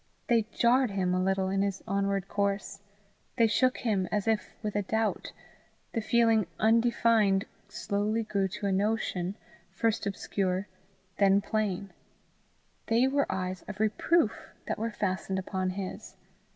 They jarred him a little in his onward course; they shook him as if with a doubt; the feeling undefined slowly grew to a notion, first obscure, then plain: they were eyes of reproof that were fastened upon his!